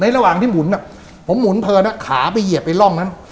ในระหว่างถ่ายผมหมุนเผลอด้วยขาเย็บประเภท